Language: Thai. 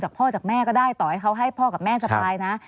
พ่อจากแม่ก็ได้ต่อให้เขาให้พ่อกับแม่สปายนะ